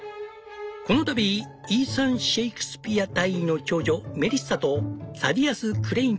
「この度イーサン・シェークスピア大尉の長女メリッサとサディアス・クレイン